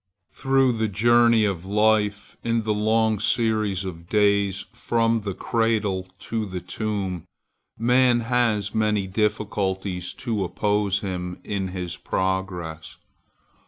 Through the journey of life, in the long series of days from the cradle to the tomb, man has many difficulties to oppose him in his progress.